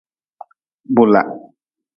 Bula.